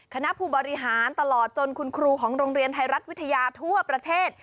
คณะผู้บริหารตลอดจนคุณครูของโรงเรียนไทยรัฐวิทยาทั่วประเทศ